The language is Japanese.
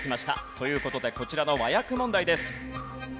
という事でこちらの和訳問題です。